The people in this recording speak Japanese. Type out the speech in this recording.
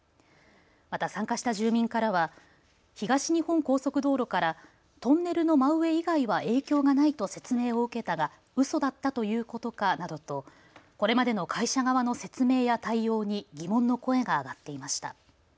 また参加した住民からは東日本高速道路からトンネルの真上以外は影響がないと説明を受けたがうそだったということかなどとこれまでの会社側の説明や対応に疑問の声が上がっていました。